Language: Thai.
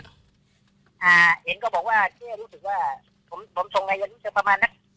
อ่าเองก็บอกว่าเชื่อรู้สึกว่าผมส่งได้เงินอย่างคุณชั้นเก็บประมาณไหน